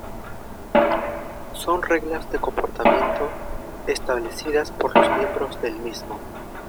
Son reglas de comportamiento establecidas por los miembros del mismo.